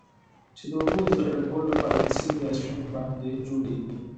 چې د اوبو د ذخیره کولو لپاره د سیند یا Stream باندی جوړیږي.